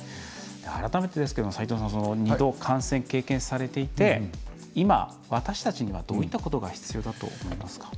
改めてですけども、斉藤さん二度、感染を経験されていて今、私たちにはどういったことが必要だと思いますか。